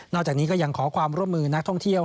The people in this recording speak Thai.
จากนี้ก็ยังขอความร่วมมือนักท่องเที่ยว